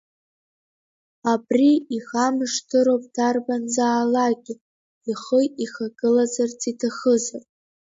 Абри ихамышҭроуп дарбанзаалакгьы, ихы ихагылазарц иҭахызар.